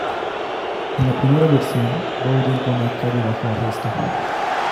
En la primera versión, Bowden pone a Cady bajo arresto.